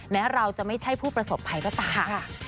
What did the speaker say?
แม้เราจะไม่ใช่ผู้ประสบภัยก็ต้องค่ะค่ะค่ะ